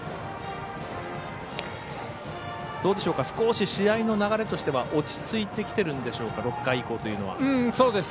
少し試合の流れとしては落ち着いてきてるんでしょうか６回以降というのは。